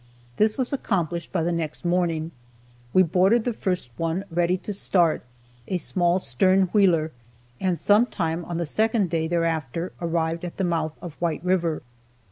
This was accomplished by the next morning, we boarded the first one ready to start, a small stern wheeler, and some time on the second day thereafter arrived at the mouth of White river.